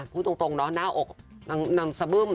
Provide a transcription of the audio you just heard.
พูดตรงเนาะหน้าอกนางสะบึ้ม